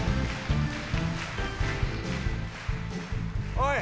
「おい！